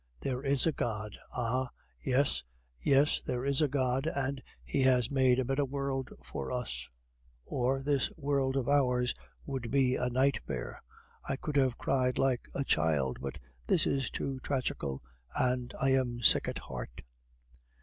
There is a God! Ah! yes, yes, there is a God, and He has made a better world for us, or this world of ours would be a nightmare. I could have cried like a child; but this is too tragical, and I am sick at heart.